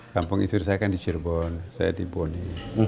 kampung istri saya kan di cirebon saya di boni